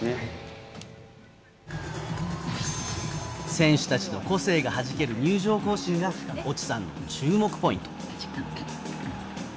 選手たちの個性がはじける入場行進が越智さんの注目ポイント！